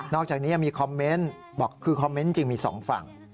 นอกจากนี้มีคอมเมนต์คือคอมเมนต์จึงมี๒ฝั่ง